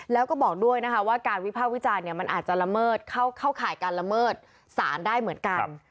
แล้วก็บอกด้วยนะคะว่าการวิภาควิจารณ์มันอาจจะละเมิดเข้าข่ายการละเมิดสารได้เหมือนกัน